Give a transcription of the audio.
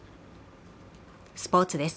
スポーツです。